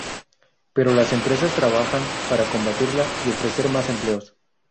Pero las empresas trabajan para combatirla y ofrecer más empleos.